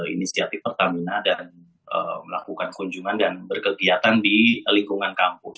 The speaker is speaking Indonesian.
inisiatif pertamina dan melakukan kunjungan dan berkegiatan di lingkungan kampus